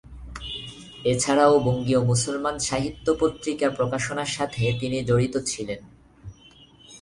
এছাড়াও বঙ্গীয় মুসলমান সাহিত্য পত্রিকা প্রকাশনার সাথে তিনি জড়িত ছিলেন।